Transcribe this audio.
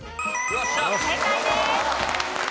正解です。